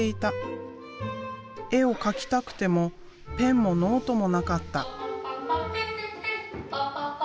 絵を描きたくてもペンもノートもなかった。